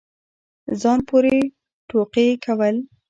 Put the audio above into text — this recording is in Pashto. ځان پورې ټوقې كول